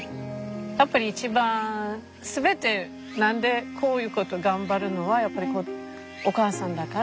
やっぱり一番全て何でこういうこと頑張るのはやっぱりお母さんだから。